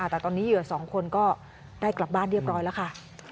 แต่ตอนนี้เหยื่อ๒คนก็ได้กลับบ้านเรียบร้อยแล้วค่ะ